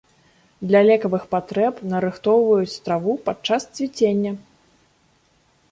Для лекавых патрэб нарыхтоўваюць траву падчас цвіцення.